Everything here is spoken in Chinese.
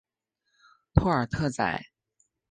托尔特宰。